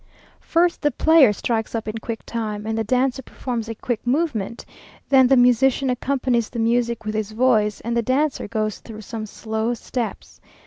First the player strikes up in quick time, and the dancer performs a quick movement; then the musician accompanies the music with his voice, and the dancer goes through some slow steps.